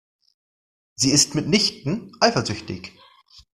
Sie ist mitnichten eifersüchtig.